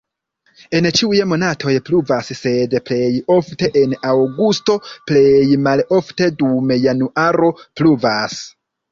En ĉiuj monatoj pluvas, sed plej ofte en aŭgusto, plej malofte dum januaro pluvas.